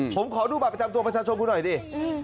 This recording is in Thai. ผมขอดูบัตรประจำตัวประชาชนคุณหน่อยดิ